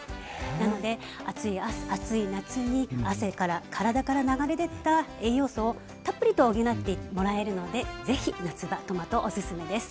なので暑い夏に汗から体から流れ出た栄養素をたっぷりと補ってもらえるので是非夏場トマトおすすめです。